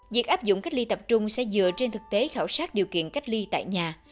việc áp dụng cách ly tập trung sẽ dựa trên thực tế khảo sát điều kiện cách ly tại nhà